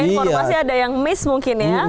kalau pasti ada yang miss mungkin ya